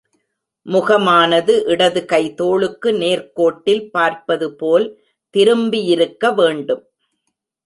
முகமானது இடது கை தோளுக்கு நேர்க்கோட்டில் பார்ப்பது போல் திரும்பியிருக்க வேண்டும்.